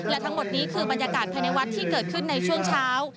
และทั้งหมดนี้คือบรรยากาศภายในวัดที่เกิดขึ้นในช่วงเช้า